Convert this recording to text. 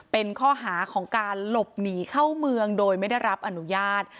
เป็นข้อหาของการหลบหนีเข้าเมืองโดยไม่ได้รับอนุญาต